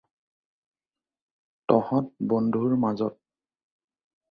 তহঁত বন্ধুৰ মাজত